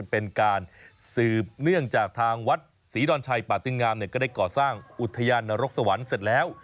เป็นการสืบเนื่องจากทางวัดศรีดอนชัยปาติงามก็ได้ก่อสร้างอุทยานนรกสวรรค์เสร็จแล้ว